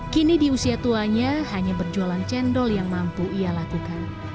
kini di usia tuanya hanya berjualan cendol yang mampu ia lakukan